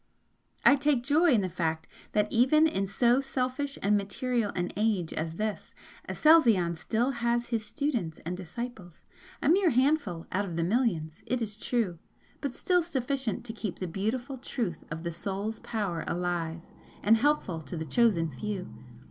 I take joy in the fact that even in so selfish and material an age as this, Aselzion still has his students and disciples, a mere handful out of the million, it is true, but still sufficient to keep the beautiful truth of the Soul's power alive and helpful to the chosen few.